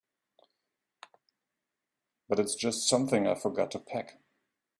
But it's just something I forgot to pack.